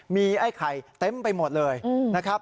มีไอ้ไข่เต็มไปหมดเลยนะครับ